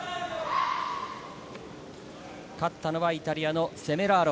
勝ったのはイタリアのセメラーロ。